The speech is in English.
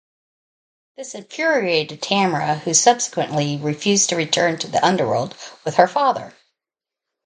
This infuriated Tamara, who subsequently refused to return to the underworld with her father.